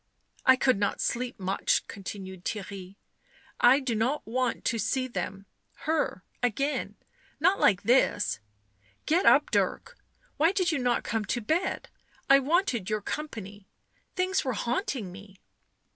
" I could not sleep much," continued Theirry. " I do not want to see them — her — again— not like this — get up, Dirk — why did you not come to bed ? I wanted your company — things were haunting me."